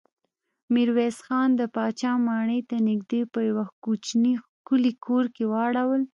ميرويس خان د پاچا ماڼۍ ته نږدې په يوه کوچيني ښکلي کور کې واړول.